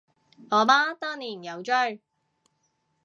我媽當年有追